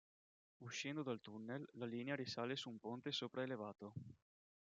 Uscendo dal tunnel, la linea risale su un ponte sopraelevato.